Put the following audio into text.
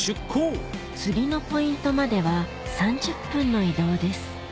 釣りのポイントまでは３０分の移動です